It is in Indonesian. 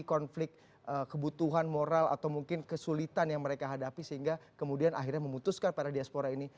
konflik kebutuhan moral atau mungkin kesulitan yang mereka hadapi sehingga kemudian akhirnya memutuskan para diaspora ini